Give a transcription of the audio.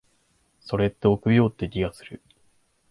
それって臆病って気がする。